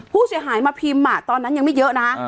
ผู้เสียหายมาพิมพ์ตอนนั้นยังไม่เยอะนะ